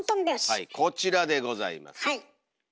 はいこちらでございます。